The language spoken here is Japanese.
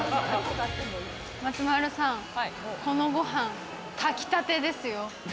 松丸さん、このご飯、炊き立てですよ。